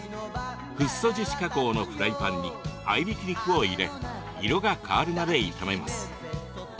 フッ素樹脂加工のフライパンに合いびき肉を入れ色が変わるまで炒めます。